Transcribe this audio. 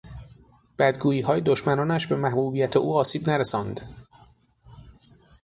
بدگوییهای دشمنانش به محبوبیت او آسیب نرساند.